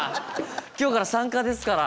今日から参加ですから。